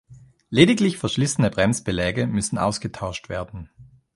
Lediglich verschlissene Bremsbeläge müssen ausgetauscht werden.